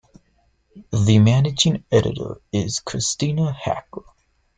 The managing editor is Kristina Hacker.